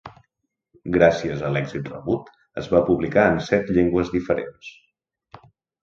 Gràcies a l'èxit rebut, es va publicar en set llengües diferents.